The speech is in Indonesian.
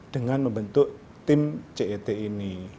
dengan membentuk tim cet ini